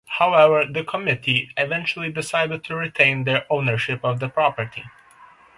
However the committee eventually decided to retain their ownership of the property.